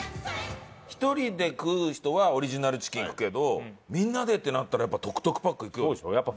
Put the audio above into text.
１人で食う人はオリジナルチキンいくけどみんなでってなったらやっぱりトクトクパックいくよね。